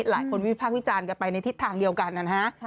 หลายคนวิพากษ์วิจารณ์กำลังไปในทิศทางเดียวกันนะฮะ